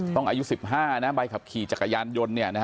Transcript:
อายุ๑๕นะใบขับขี่จักรยานยนต์